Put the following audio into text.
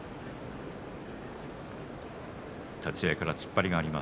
立ち合いから突っ張りがあります